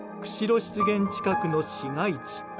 釧路湿原近くの市街地。